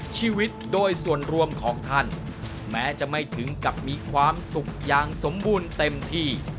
ชีวิตโดยส่วนรวมของท่านแม้จะไม่ถึงกับมีความสุขอย่างสมบูรณ์เต็มที่